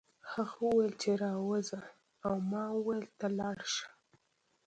هغه وویل چې راوځه او ما وویل ته لاړ شه